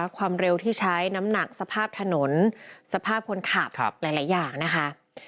ความเร็วที่ใช้น้ำหนักสภาพถนนสภาพคนขับหลายอย่างนะคะ